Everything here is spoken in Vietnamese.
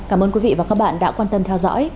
cảm ơn quý vị và các bạn đã quan tâm theo dõi